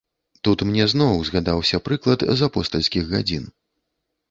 Тут мне зноў згадаўся прыклад з апостальскіх гадзін.